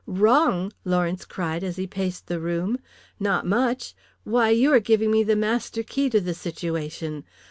"Wrong?" Lawrence cried as he paced the room. "Not much. Why, you are giving me the master key to the situation.